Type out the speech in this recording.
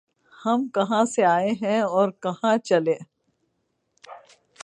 ہم کہاں سے آئے اور کہاں چلے؟